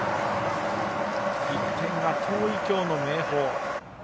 １点が遠い、きょうの明豊。